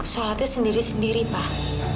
sholatnya sendiri sendiri pak